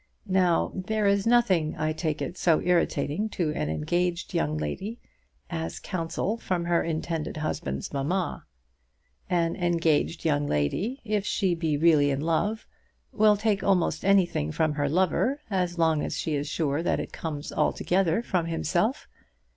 Now there is nothing, I take it, so irritating to an engaged young lady as counsel from her intended husband's mamma. An engaged young lady, if she be really in love, will take almost anything from her lover as long as she is sure that it comes altogether from himself.